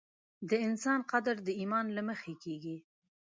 د انسان قدر د ایمان له مخې کېږي.